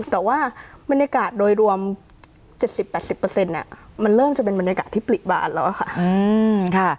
แต่ว่าบรรยากาศโดยรวม๗๐๘๐มันเริ่มจะเป็นบรรยากาศที่ปลิบานแล้วค่ะ